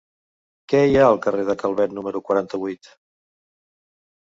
Què hi ha al carrer de Calvet número quaranta-vuit?